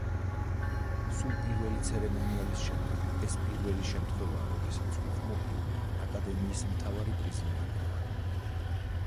სულ პირველი ცერემონიალის შემდეგ ეს პირველი შემთხვევაა, როდესაც უხმო ფილმმა აკადემიის მთავარი პრიზი მოიპოვა.